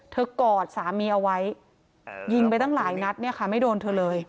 เธอกอดสามีเอาไว้ยิงไปตั้งหลายนัดไม่โดนเธอเลย